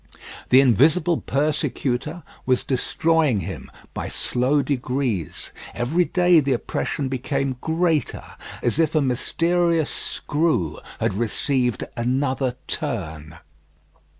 The invisible persecutor was destroying him by slow degrees. Every day the oppression became greater, as if a mysterious screw had received another turn.